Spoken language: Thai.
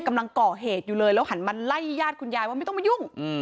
กำลังก่อเหตุอยู่เลยแล้วหันมาไล่ญาติคุณยายว่าไม่ต้องมายุ่ง